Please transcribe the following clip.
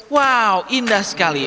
wow indah sekali